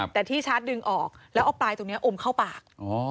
แต่ที่ชาร์จดึงออกแล้วเอาปลายตรงนี้อมเข้าปาก